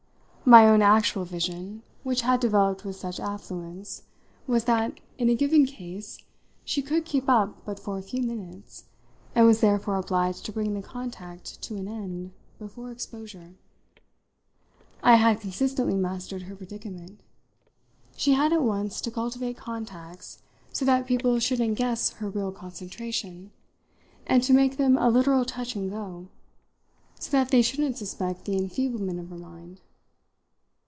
My own actual vision, which had developed with such affluence, was that, in a given case, she could keep up but for a few minutes and was therefore obliged to bring the contact to an end before exposure. I had consistently mastered her predicament: she had at once to cultivate contacts, so that people shouldn't guess her real concentration, and to make them a literal touch and go, so that they shouldn't suspect the enfeeblement of her mind.